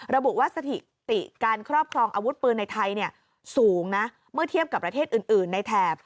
ระบุว่าสถิติการครอบครองอาวุธปืนในไทยสูงนะเมื่อเทียบกับประเทศอื่นในแถบ